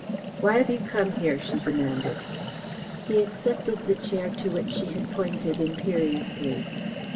"Why have you come here?" she demanded. He accepted the chair to which she had pointed imperiously.